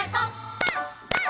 パンパン！